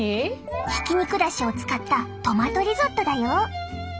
ひき肉だしを使ったトマトリゾットだよ。